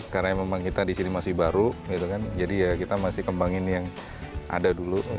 karena memang kita di sini masih baru jadi ya kita masih kembangin yang ada dulu